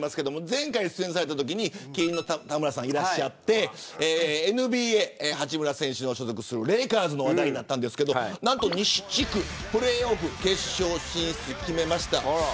前回出演されたとき麒麟の田村さんがいらっしゃってＮＢＡ八村選手の所属するレイカーズの話題でしたが西地区プレーオフ決勝進出を決めました。